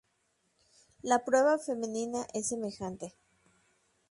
La prueba femenina es semejante.